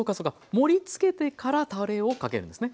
盛りつけてからたれをかけるんですね。